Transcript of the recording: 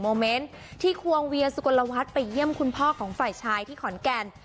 เมนต์ที่ควงเวียสุกลวัฒน์ไปเยี่ยมคุณพ่อของฝ่ายชายที่ขอนแก่น